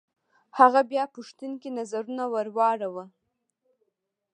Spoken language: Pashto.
هغه بيا پوښتونکی نظر ور واړوه.